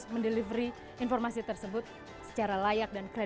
berdiri dan berdiri